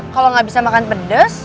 kalau gak bisa makan pedas